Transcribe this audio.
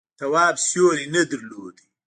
تواب سیوری نه درلود.